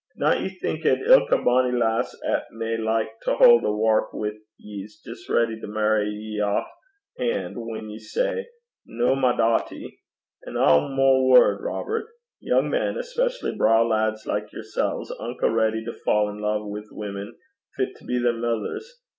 Dinna ye think 'at ilka bonnie lass 'at may like to haud a wark wi' ye 's jist ready to mairry ye aff han' whan ye say, "Noo, my dawtie." An' ae word mair, Robert: Young men, especially braw lads like yersel', 's unco ready to fa' in love wi' women fit to be their mithers.